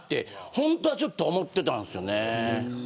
本当はちょっと思ってたんですよね。